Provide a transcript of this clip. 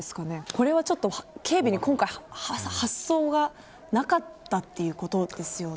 これは警備に今回発想がなかったということですよね。